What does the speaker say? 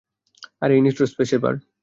আরে এই নিষ্ঠুর স্পেসের ভাঁড়!